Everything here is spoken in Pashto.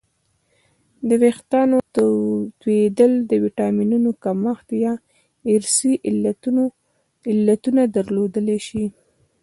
د وېښتانو تویدل د ویټامینونو کمښت یا ارثي علتونه درلودلی شي